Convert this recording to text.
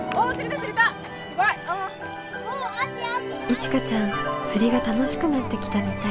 いちかちゃん釣りが楽しくなってきたみたい。